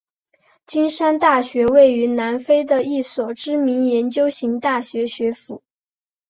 金山大学位于南非的一所知名研究型大学学府。